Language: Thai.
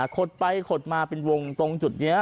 ขดไปขดมาเป็นวงตรงจุดนี้